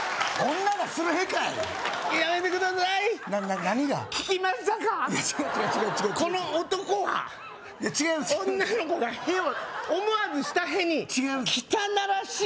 女の子が屁を思わずした屁に違う汚らしい？